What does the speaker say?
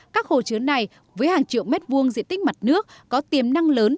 các hồ chứa này với hàng triệu m hai diện tích mặt nước có tiềm năng lớn